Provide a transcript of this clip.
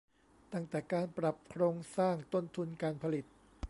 ตั้งแต่การปรับโครงสร้างต้นทุนการผลิต